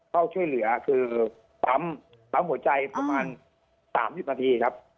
เข้าช่วยเหลือคือปั๊มหัวใจประมาณ๓๐นาทีครับ